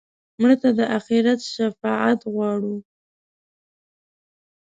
مړه ته د آخرت شفاعت غواړو